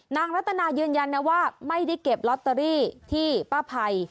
นางรัฐนาเยือนยันว่าไม่ได้เก็บรัฐนาที่ป้าภัย